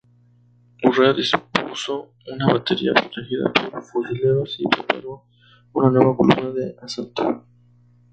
Urrea dispuso una batería protegida por fusileros y preparó una nueva columna de asalto.